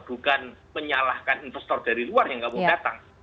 bukan menyalahkan investor dari luar yang kamu datang